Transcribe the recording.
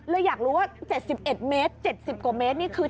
อยากรู้ว่า๗๑เมตร๗๐กว่าเมตรนี่คือ